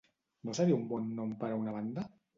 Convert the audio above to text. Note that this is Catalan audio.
No seria un bon nom per a una banda?